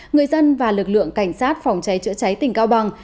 người dân và lực lượng cảnh sát phòng cháy chữa cháy tỉnh cao bằng